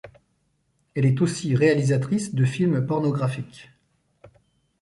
Elle est aussi réalisatrice de films pornographiques.